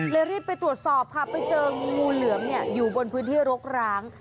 รีบไปตรวจสอบค่ะไปเจองูเหลือมอยู่บนพื้นที่รกร้าง